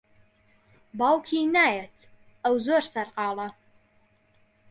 باوکی نایەت، ئەو زۆر سەرقاڵە.